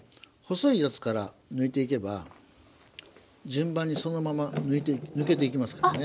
細いやつから抜いていけば順番にそのまま抜けていきますからね。